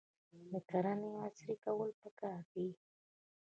د کرنې عصري کول پکار دي.